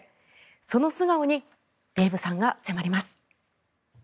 その素顔にデーブさんが迫ります。